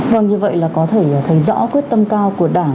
vâng như vậy là có thể thấy rõ quyết tâm cao của đảng